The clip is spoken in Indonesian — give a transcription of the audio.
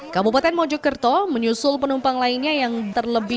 kabupaten mojokerto menyusul penumpang lainnya yang terlebih